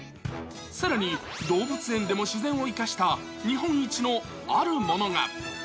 さらに、動物園でも自然を生かした日本一のあるものが。